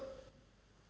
khi cân thì thiếu nước